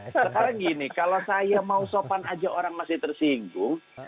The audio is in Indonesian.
sekarang gini kalau saya mau sopan aja orang masih tersinggung